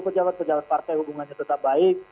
pejabat pejabat partai hubungannya tetap baik